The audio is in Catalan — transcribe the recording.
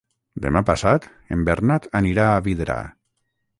Demà passat en Bernat anirà a Vidrà.